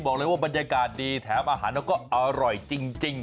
บอกเลยว่าบรรยากาศดีแถมอาหารแล้วก็อร่อยจริง